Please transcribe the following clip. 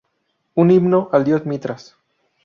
Un himno al dios Mitras.